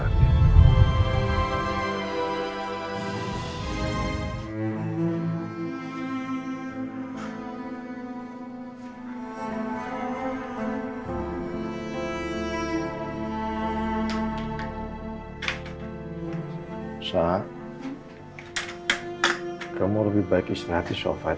kamu lebih baik istirahatnya soal faham